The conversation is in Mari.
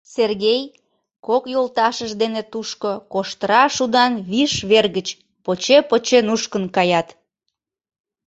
Сергей кок йолташыж дене тушко коштыра шудан виш вер гыч поче-поче нушкын каят.